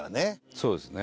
そうですね。